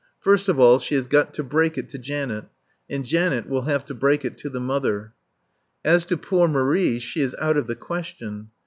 First of all she has got to break it to Janet. And Janet will have to break it to the mother. As to poor Marie, she is out of the question.